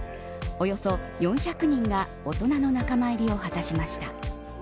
およそ４００人が大人の仲間入りを果たしました。